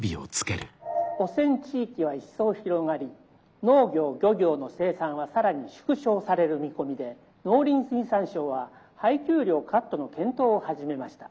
「汚染地域は一層広がり農業漁業の生産は更に縮小される見込みで農林水産省は配給量カットの検討を始めました。